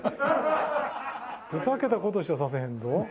ふざけた事しかさせへんぞ。